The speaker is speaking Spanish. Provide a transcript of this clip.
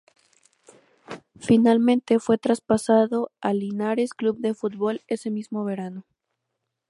Finalmente fue traspasado al Linares Club de Fútbol ese mismo verano.